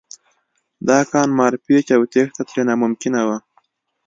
دا کان مارپیچ و او تېښته ترې ناممکنه وه